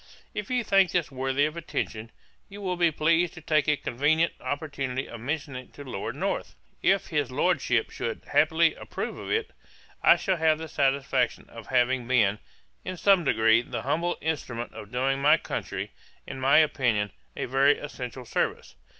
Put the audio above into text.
'If you think this worthy of attention, you will be pleased to take a convenient opportunity of mentioning it to Lord North. If his Lordship should happily approve of it, I shall have the satisfaction of having been, in some degree, the humble instrument of doing my country, in my opinion, a very essential service.